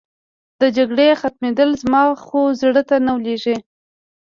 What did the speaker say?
د جګړې ختمېدل، زما خو زړه ته نه لوېږي.